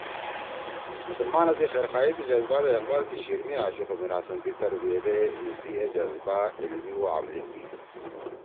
مسلمانا سی خیرخواہی سی جزبہ دا اقبال سی شیِر می آشُو خو میرحسن سی تربیت ئے ایِسی اے جزبہ علمی او عملی کی